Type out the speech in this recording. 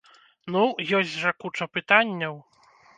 Ну, ёсць жа куча пытанняў!